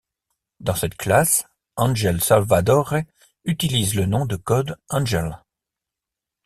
Dans cette classe, Angel Salvadore utilise le nom de code Angel.